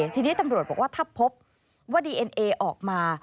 ทีนี้ตำรวจบอกว่าถ้าพบว่าดีเอ็นเอออกมา